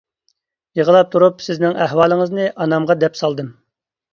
يىغلاپ تۇرۇپ سىزنىڭ ئەھۋالىڭىزنى ئانامغا دەپ سالدىم.